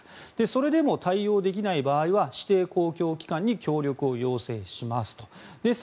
それでも対応できない場合は指定公共機関に協力を要請しますということです。